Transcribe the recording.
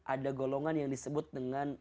ada golongan yang disebut dengan